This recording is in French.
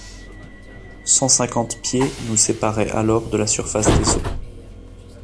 Cent cinquante pieds nous séparaient alors de la surface des eaux.